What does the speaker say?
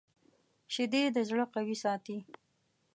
شیدې د زړه قوي ساتي